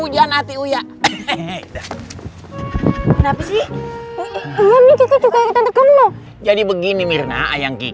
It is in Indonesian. jangan sampai kita diserigai